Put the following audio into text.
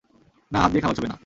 না, হাত দিয়ে খাবার ছোঁবে না।